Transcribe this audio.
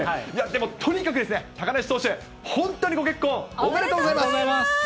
でもとにかくですね、高梨投手、本当にご結婚、おめでとうごおめでとうございます。